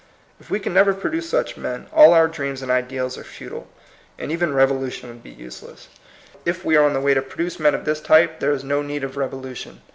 If we can never produce such men, all our dreams and ideals are futile, and even revolution would be useless. If we 166 THE COMING PEOPLE. are on the way to produce men of this type, there is no need of revolution.